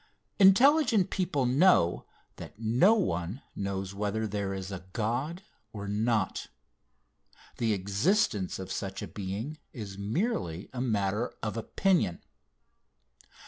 Intelligent people know that 110 one knows whether there is a God or not. The existence of such a Being is merely a matter of opinion.